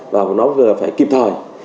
và nó vừa phải kịp thời